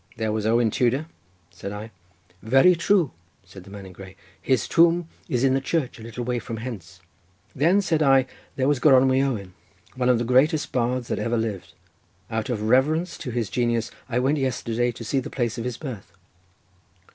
"There was Owen Tudor?" said I. "Very true," said the man in grey, "his tomb is in the church a little way from hence." "Then," said I, "there was Gronwy Owen, one of the greatest bards that ever lived. Out of reverence to his genius I went yesterday to see the place of his birth."